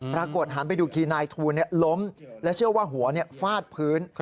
หันไปดูอีกทีนายทูลล้มและเชื่อว่าหัวฟาดพื้น